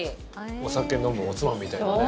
お酒を飲むおつまみみたいなね。